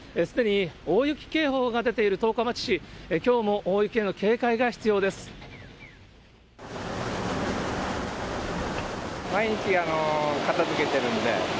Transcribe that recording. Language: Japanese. すでに大雪警報が出ている十日町市、きょうも大雪への警戒が必要です。